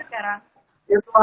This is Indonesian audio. karena zoom tidak menyebabkan perang